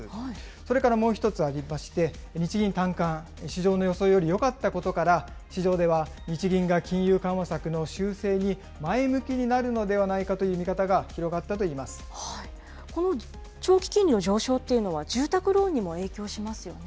それからもう一つありまして、日銀短観、市場の予想よりよかったことから、市場では日銀が金融緩和策の修正に前向きになるのではないかという見方が広がったといこの長期金利の上昇っていうのは、住宅ローンにも影響しますよね。